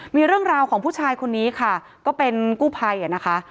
มีเรื่องราวของผู้ชายคนนี้ค่ะก็เป็นกู้ภัยนะคะ